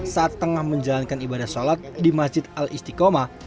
saat tengah menjalankan ibadah sholat di masjid al istiqomah